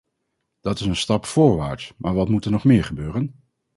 Dat is een stap voorwaarts, maar wat moet er nog meer gebeuren?